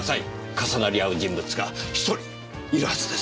重なり合う人物が１人いるはずです。